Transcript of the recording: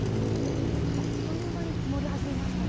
あっという間に積もり始めましたね。